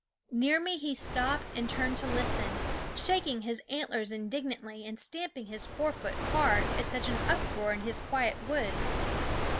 320 Gfadso/ne ^ SCHOOL OF Near me he stopped and turned to listen, shaking his antlers indignantly, and stamp ing his fore foot hard at such an uproar in his quiet woods.